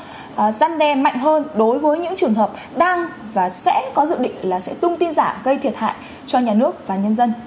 và gian đe mạnh hơn đối với những trường hợp đang và sẽ có dự định là sẽ tung tin giả gây thiệt hại cho nhà nước và nhân dân